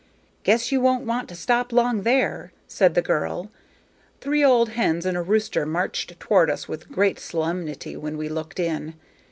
"Guess you won't want to stop long there," said the girl. Three old hens and a rooster marched toward us with great solemnity when we looked in.